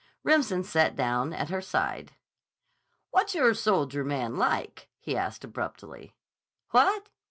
Remsen sat down at her side. "What's your soldier man like?" he asked abruptly. "What?